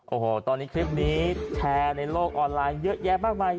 โอ้โหตอนนี้คลิปนี้แชร์ในโลกออนไลน์เยอะแยะมากมาย